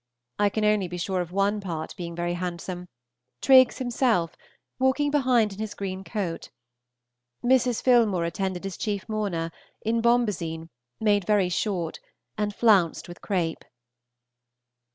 I can only be sure of one part being very handsome, Triggs himself, walking behind in his green coat. Mrs. Philmore attended as chief mourner, in bombazine, made very short, and flounced with crape.